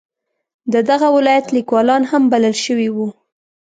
د دغه ولایت لیکوالان هم بلل شوي وو.